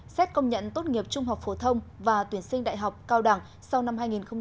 xét công nhận tốt nghiệp trung học phổ thông và tuyển sinh đại học cao đẳng sau năm hai nghìn hai mươi